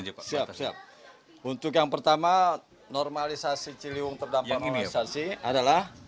siap siap untuk yang pertama normalisasi ciliwung terdampak imunisasi adalah